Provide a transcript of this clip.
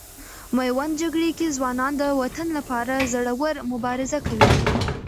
میوند جګړې کې ځوانان د وطن لپاره زړه ور مبارزه کوي.